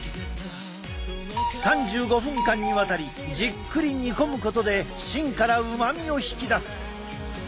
３５分間にわたりじっくり煮込むことで芯からうまみを引き出す。